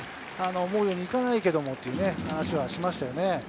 思うようにいかないけれど、という話はしましたね。